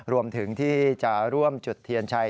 รวมถึงที่จะร่วมจุดเทียนชัย